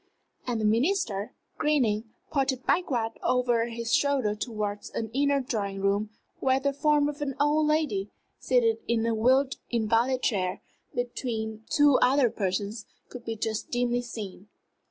And the Minister, grinning, pointed backward over his shoulder towards an inner drawing room, where the form of an old lady, seated in a wheeled invalid chair between two other persons, could be just dimly seen.